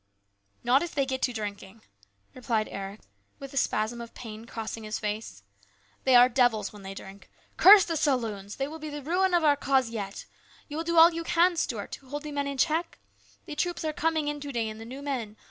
" Not if they get to drinking," replied Eric with a spasm of pain crossing his face. " They are devils when they drink. Curse the saloons ! They will be the ruin of our cause yet. You will do all you can, Stuart, to hold the men in check ? The troops are coming in to day and the new men.